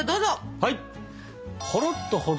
はい！